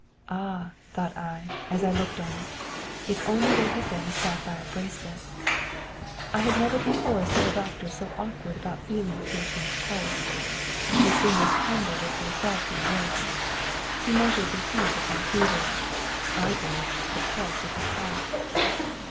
"Ah!" thought I, as I looked on it, "if only there had been a sapphire bracelet." I have never before seen a doctor so awkward about feeling a patient's pulse. His fingers trembled as they felt my wrist. He measured the heat of my fever, I gauged the pulse of his heart.